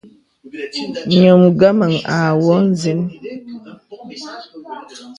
Ǹyɔ̄m ngəm à wɔ̄lə̀ nsəŋ.